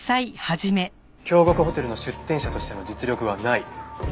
京極ホテルの出店者としての実力はない。